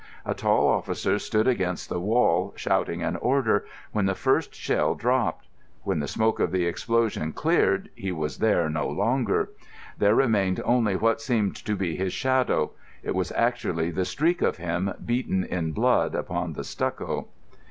A tall officer stood against the wall, shouting an order, when the first shell dropped. When the smoke of the explosion cleared he was there no longer. There remained only what seemed to be his shadow. It was actually the streak of him beaten in blood upon the stucco.